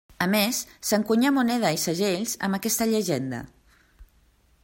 A més s'encunyà moneda i segells amb aquesta llegenda.